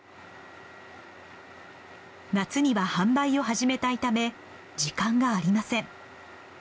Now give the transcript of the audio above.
夏には販売を始めたいため時間がありません。